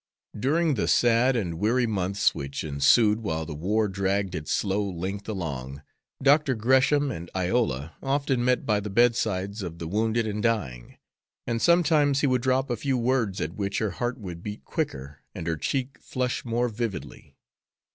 During the sad and weary months which ensued while the war dragged its slow length along, Dr. Gresham and Iola often met by the bedsides of the wounded and dying, and sometimes he would drop a few words at which her heart would beat quicker and her cheek flush more vividly.